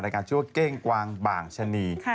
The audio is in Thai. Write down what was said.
การชื่อว่าเก้งกวางบางชะนี